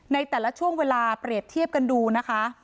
ในแต่ละช่วงเวลาเปรียบเทียบกันดูนะคะ